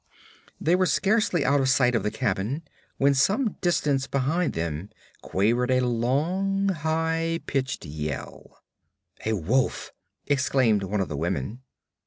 They were scarcely out of sight of the cabin when some distance behind them quavered a long high pitched yell. 'A wolf!' exclaimed one of the women.